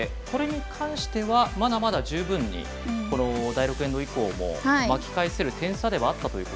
これに関しては、まだまだ十分に第６エンド以降も巻き返せる点差であったと。